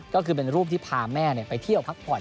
ก็คือเป็นรูปที่พาแม่ไปเที่ยวพักผ่อน